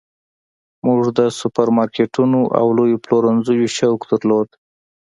موږ د سوپرمارکیټونو او لویو پلورنځیو شوق درلود